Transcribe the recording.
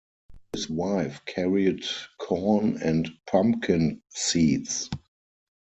His wife carried corn and pumpkin seeds.